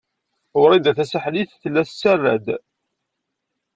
Wrida Tasaḥlit tella tettarra-d.